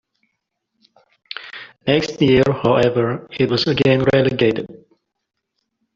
Next year, however, it was again relegated.